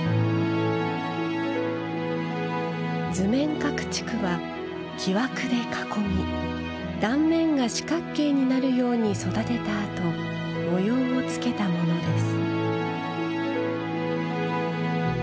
図面角竹は木枠で囲み断面が四角形になるように育てたあと模様をつけたものです。